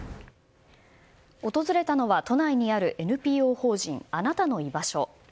訪れたのは都内にあるＮＰＯ法人あなたのいばしょ。